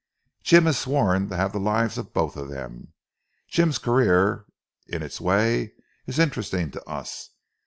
Jim has sworn to have the lives of both of them. Jim's career, in its way, is interesting to us.